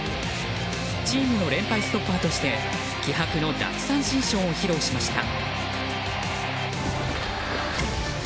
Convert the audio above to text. チームの連敗ストッパーとして気迫の奪三振ショーを披露しました。